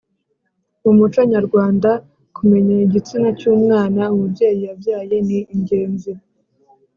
mu muco nyarwanda, kumenya igitsina cy‘umwana umubyeyi yabyaye ni ingenzi